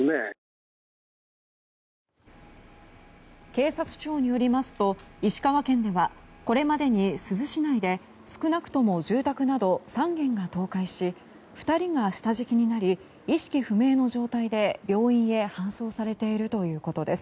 警察庁によりますと石川県ではこれまでに珠洲市内で少なくとも住宅など３軒が倒壊し２人が下敷きになり意識不明の状態で病院へ搬送されているということです。